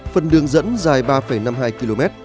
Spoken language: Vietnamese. phần đường dẫn dài ba năm mươi hai km